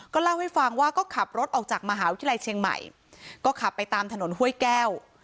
เล่าให้ฟังว่าก็ขับรถออกจากมหาวิทยาลัยเชียงใหม่ก็ขับไปตามถนนห้วยแก้ว